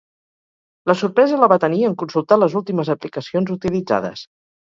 La sorpresa la va tenir en consultar les últimes aplicacions utilitzades.